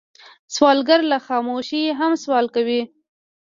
سوالګر له خاموشۍ هم سوال کوي